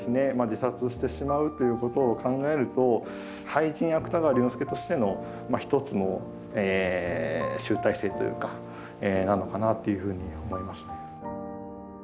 自殺してしまうということを考えると俳人芥川龍之介としての一つの集大成というかなのかなっていうふうに思いますね。